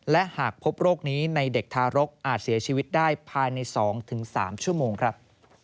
และหากพบโรคนี้ในเด็กทารกอาจเสียชีวิตได้ภายใน๒๓ชั่วโมงครับ